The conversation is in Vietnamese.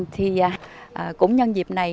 thì cũng nhân dịp này